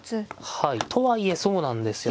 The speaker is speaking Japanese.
はいとはいえそうなんですよね。